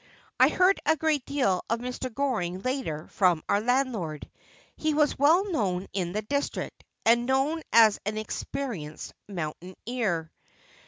' I heard a good deal of Mr. Goring later from our landlord ; he was well known in the district, and known as an experienced mountaineer.